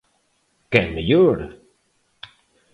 Quen mellor!